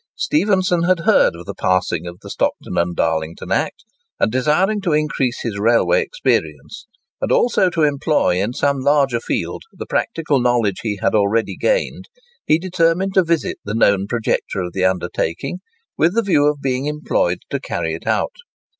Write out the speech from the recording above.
Stephenson had heard of the passing of the Stockton and Darlington Act, and desiring to increase his railway experience, and also to employ in some larger field the practical knowledge he had already gained, he determined to visit the known projector of the undertaking, with the view of being employed to carry it out.